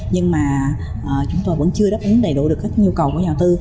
nhưng mà chúng tôi vẫn chưa đáp ứng đầy đủ được các nhu cầu của nhà đầu tư